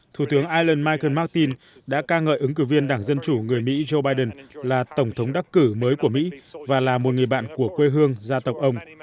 thủ tướng ireland michael martin đã ca ngợi ứng cử viên đảng dân chủ người mỹ joe biden là tổng thống đắc cử mới của mỹ và là một người bạn của quê hương gia tộc ông